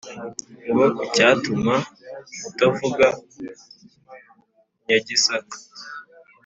ngo icyatuma itavuga nyagisaka ,